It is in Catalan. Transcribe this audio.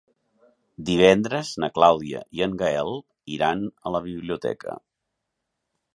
Divendres na Clàudia i en Gaël iran a la biblioteca.